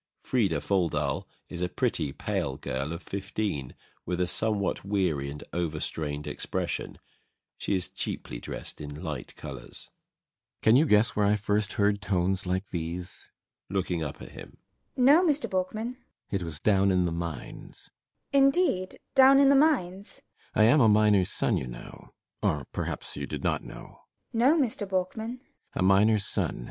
FRIDA FOLDAL is a pretty, pale girl of fifteen, with a somewhat weary and overstrained expression. She is cheaply dressed in light colours. BORKMAN. Can you guess where I first heard tones like these? FRIDA. [Looking up at him.] No, Mr. Borkman. BORKMAN. It was down in the mines. FRIDA. [Not understanding.] Indeed? Down in the mines? BORKMAN. I am a miner's son, you know. Or perhaps you did not know? FRIDA. No, Mr. Borkman. BORKMAN. A miner's son.